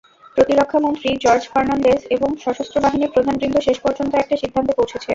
প্রতিরক্ষামন্ত্রী জর্জ ফার্নান্দেজ, এবং সশস্ত্রবাহিনীর প্রধানবৃন্দ শেষ পর্যন্ত একটা সিদ্ধান্তে পৌঁছেছে।